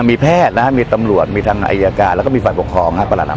มีแพทย์มีตำรวจมีทางอายากาศและก็มีฝ่าปกครองภาคปรดัมเภอครับ